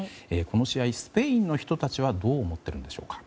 この試合、スペインの人たちはどう思っているんでしょうか。